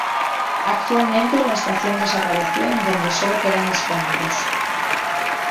Actualmente la estación desapareció en donde solo quedan escombros.